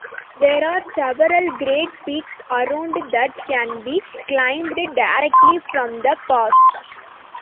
There are several great peaks around that can be climbed directly from the pass.